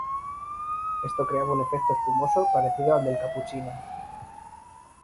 Esto creaba un efecto espumoso parecido al del capuchino.